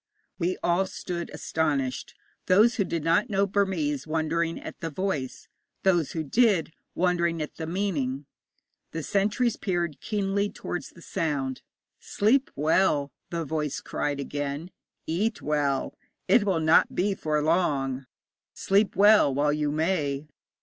We all stood astonished those who did not know Burmese wondering at the voice; those who did, wondering at the meaning. The sentries peered keenly towards the sound. 'Sleep well,' the voice cried again; 'eat well. It will not be for long. Sleep well while you may.'